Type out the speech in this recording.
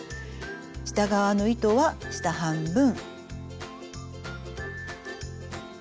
下側の糸は下半分。